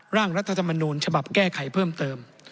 ร่างรัฐธรรมนูญฉบับแก้ไขเพิ่มเติม